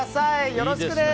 よろしくです！